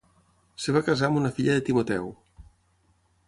Es va casar amb una filla de Timoteu.